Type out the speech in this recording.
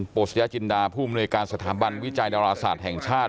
โศยาจินดาผู้อำนวยการสถาบันวิจัยดาราศาสตร์แห่งชาติ